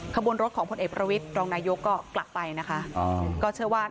กระบวนรถของผลเอพรวิศรองนายก็กลับไปนะคะ